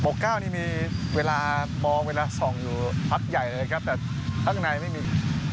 เก้านี่มีเวลามองเวลาส่องอยู่พักใหญ่เลยนะครับแต่ข้างในไม่มี